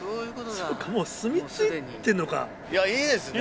そうかもうすみ着いてんのか。